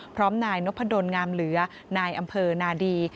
พร้อมนายนพดลงามเหลือนายอำเภอนาดี